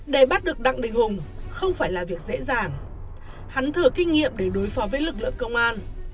để bắt được đặng đình hùng không phải là việc dễ dàng hắn thửa kinh nghiệm để đối phó với lực lượng công an